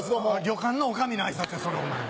旅館の女将の挨拶やそれお前。